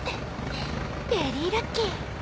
ベリーラッキー。